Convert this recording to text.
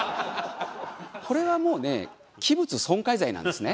これはもうね器物損壊罪なんですね。